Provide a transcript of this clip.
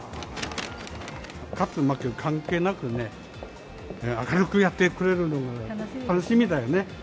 勝つ負ける関係なくね、明るくやってくれるのが楽しみだよね。